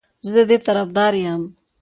زه د دې طرفدار یم